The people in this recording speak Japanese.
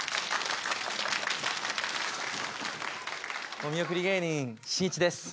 お見送り芸人しんいちです。